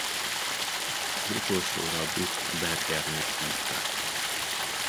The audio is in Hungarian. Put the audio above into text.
Az utolsó rabbit Bergernek hívták.